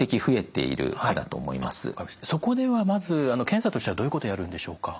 そこではまず検査としてはどういうことをやるんでしょうか？